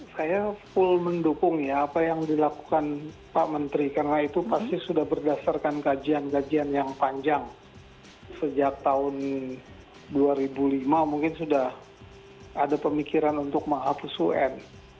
saya full mendukung ya apa yang dilakukan pak menteri karena itu pasti sudah berdasarkan kajian kajian yang panjang sejak tahun dua ribu lima mungkin sudah ada pemikiran untuk menghapus un